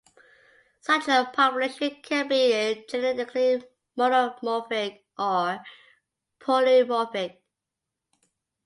Such a population can be genetically monomorphic or polymorphic.